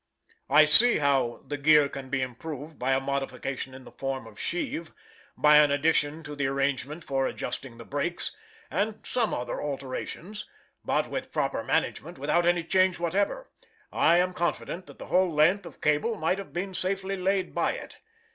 I see how the gear can be improved by a modification in the form of sheave, by an addition to the arrangement for adjusting the brakes, and some other alterations; but with proper management, without any change whatever, I am confident that the whole length of cable might have been safely laid by it.